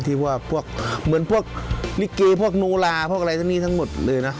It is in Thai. ที่ว่าพวกเหมือนพวกลิเกพวกโนลาพวกอะไรทั้งนี้ทั้งหมดเลยนะ